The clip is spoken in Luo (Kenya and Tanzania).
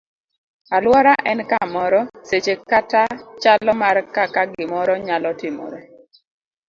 Aluora en kamoro, seche kata chalo mar kaka gimoro nyalo timore.